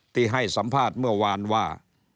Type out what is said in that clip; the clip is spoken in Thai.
ที่ให้สัมภาษณ์เมื่อวานว่า